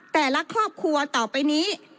แต่ละครอบครัวต่อไปนี้